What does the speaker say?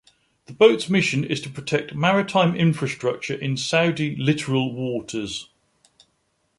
The boats' mission is to protect maritime infrastructure in Saudi littoral waters.